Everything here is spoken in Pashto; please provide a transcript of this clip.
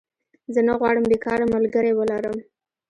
زه نه غواړم بيکاره ملګری ولرم